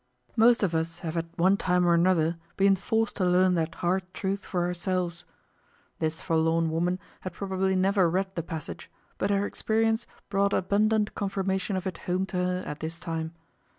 Most of us have at one time or another been forced to learn that hard truth for ourselves. This forlorn woman had probably never read the passage, but her experience brought abundant confirmation of it home to her at this time.